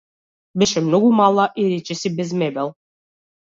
Беше многу мала и речиси без мебел.